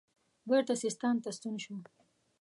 بیرته سیستان ته ستون شو.